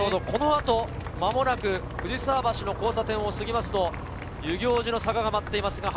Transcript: この後、間もなく藤沢橋の交差点をすぎると、遊行寺の坂が待っています。